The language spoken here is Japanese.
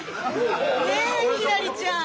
ねえひらりちゃん。